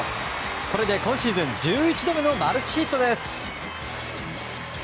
これで今シーズン１１度目のマルチヒットです。